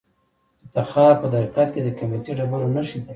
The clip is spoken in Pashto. د تخار په درقد کې د قیمتي ډبرو نښې دي.